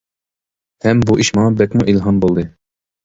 ھەم بۇ ئىش ماڭا بەكمۇ ئىلھام بولدى.